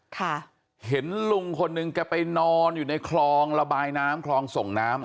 ค่ะเห็นลุงคนหนึ่งแกไปนอนอยู่ในคลองระบายน้ำคลองส่งน้ำ